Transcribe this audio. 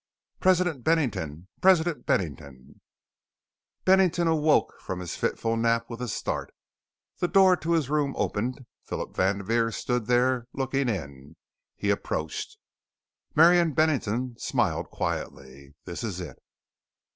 "President Bennington! President Bennington!" Bennington awoke from his fitful nap with a start. The door to his room opened. Phillip Vanderveer stood there looking in, he approached. Marian Bennington smiled quietly. "This is it!"